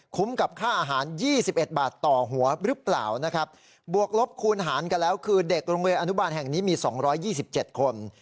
คุ้มกับค่าอาหารยี่สิบเอ็ดบาทต่อหัวหรือเปล่านะครับบวกลบคูณหารกันแล้วคือเด็กโรงเวียนอนุบาลแห่งนี้มีสองร้อยยี่สิบเจ็ดคน